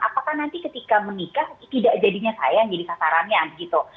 apakah nanti ketika menikah tidak jadinya saya yang jadi sasarannya gitu